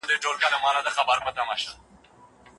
د نرمغالي مابينځ کي مي خپلي پلمې ولیدې.